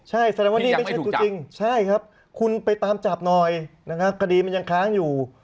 ที่ยังไม่ถูกจับใช่ครับคุณไปตามจับหน่อยนะครับคดีมันยังค้างอยู่